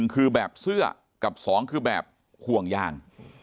คือแบบเสื้อกับ๒คือแบบห่วงยาง